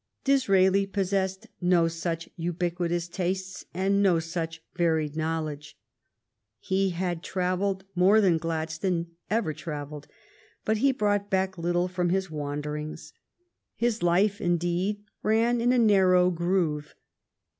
Disraeli possessed no such ubiquitous tastes and no such varied knowledge. He had travelled more than Gladstone ever travelled, but he brought back little from his wanderings. His life, indeed, ran in a narrow groove.